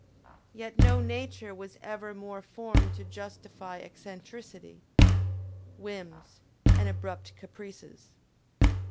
Yet no nature was ever more formed to justify eccentricity, whims, and abrupt caprices.